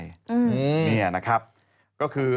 นี่นะครับก็คือ